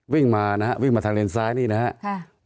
วิ่งมานะฮะวิ่งมาทางเลนซ้ายนี่นะครับ